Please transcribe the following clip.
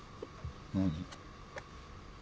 何？